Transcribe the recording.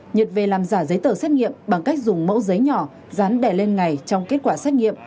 nhật về làm giả giấy tờ xét nghiệm bằng cách dùng mẫu giấy nhỏ dán đè lên ngày trong kết quả xét nghiệm